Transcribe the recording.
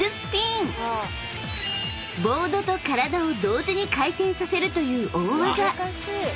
［ボードと体を同時に回転させるという大技］